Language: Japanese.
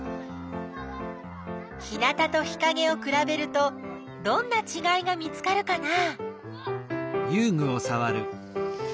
日なたと日かげをくらべるとどんなちがいが見つかるかな？